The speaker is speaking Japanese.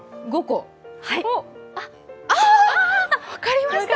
分かりました。